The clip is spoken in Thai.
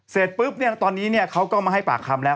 เสร็จปุ๊บเนี่ยตอนนี้เขาก็มาให้ปากคำแล้ว